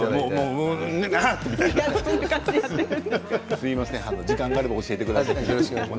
すみません、時間があれば教えてください。